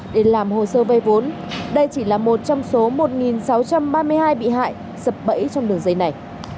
để làm hồ sơ vay vốn đây chỉ là một trong số một sáu trăm ba mươi hai bị hại sập bẫy trong đường dây này